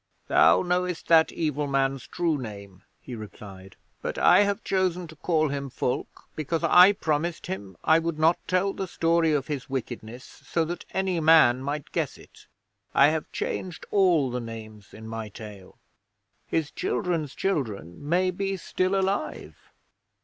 'Thou knowest that evil man's true name,' he replied, 'but I have chosen to call him Fulke because I promised him I would not tell the story of his wickedness so that any man might guess it. I have changed all the names in my tale. His children's children may be still alive.'